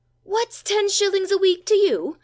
"What's ten shillings a week to you?"